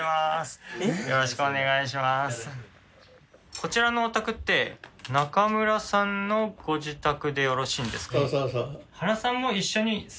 こちらのお宅って中村さんのご自宅でよろしいんですか？